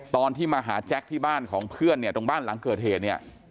ตอนที่มาหาแจ็คที่บ้านของเพื่อนเนี่ยตรงบ้านหลังเกิดเหตุเนี่ย